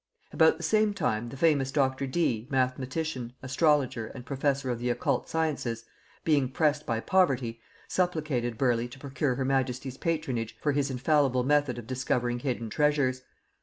About the same time the famous Dr. Dee, mathematician, astrologer, and professor of the occult sciences, being pressed by poverty, supplicated Burleigh to procure her majesty's patronage for his infallible method of discovering hidden treasures.